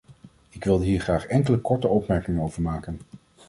Ik wilde hier graag enkele korte opmerkingen over maken.